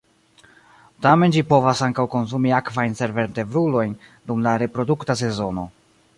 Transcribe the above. Tamen ĝi povas ankaŭ konsumi akvajn senvertebrulojn dum la reprodukta sezono.